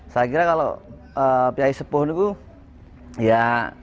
saya kira kalau pihak sepoh itu ya